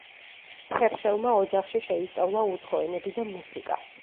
ჰერშელმა ოჯახში შეისწავლა უცხო ენები და მუსიკა.